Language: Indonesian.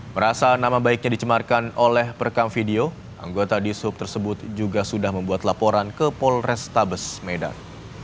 merasa nama baiknya dicemarkan oleh perekam video anggota disub tersebut juga sudah membuat laporan ke polrestabes medan